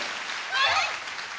はい！